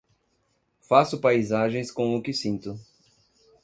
Faço paisagens com o que sinto.